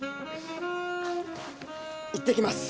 いってきます。